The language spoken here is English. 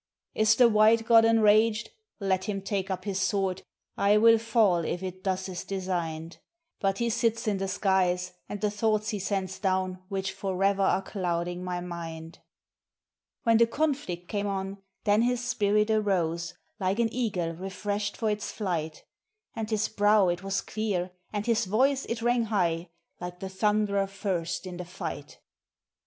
"Is the White God enraged? Let him take up his sword, I will fall if it thus is designed; But he sits in the skies, and the thoughts he sends down which forever are clouding my mind." When the conflict came on, then his spirit arose like an eagle refreshed for its flight; And his brow it was clear, and his voice it rang high, like the thunderer first in the fight.